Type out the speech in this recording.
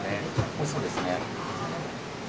おいしそうですね。